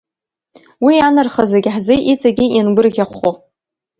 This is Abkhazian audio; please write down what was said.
Уи анарха зегьы ҳзы иҵегьы иангәырӷьахәхо.